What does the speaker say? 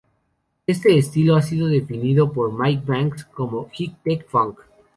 Este estilo ha sido definido por Mike Banks como "High-Tech Funk".